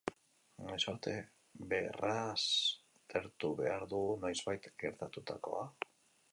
Noiz arte berraztertu behar dugu noizbait gertatutakoa?